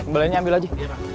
kembaliannya ambil aja